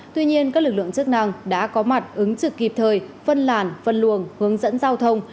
tuy nhiên các lực lượng chức năng đã có mặt ứng trực kịp thời phân làn phân luồng hướng dẫn giao thông